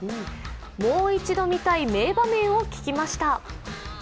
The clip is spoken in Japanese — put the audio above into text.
もう一度見たい名場面を聞きました。